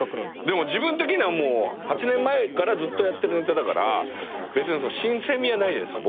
でも自分的には８年前からずっとやってるネタだから別に新鮮味はないじゃないですか